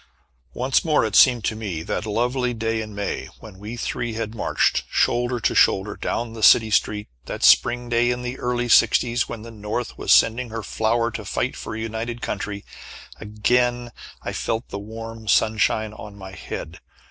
Once more it seemed to me that lovely day in May when we three had marched, shoulder to shoulder, down the city street that spring day in the early sixties, when the North was sending her flower to fight for a united country. Again I felt the warm sunshine on my head.